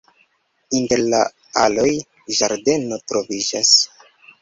Inter la aloj ĝardeno troviĝas.